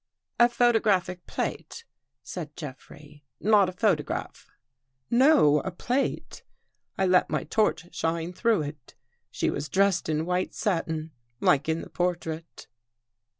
"A photographic plate?" said Jeffrey. "Not a photograph?" " No, a plate. I let my torch shine through it. She was dressed in white satin, like in the portrait."